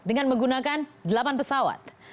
dengan menggunakan delapan pesawat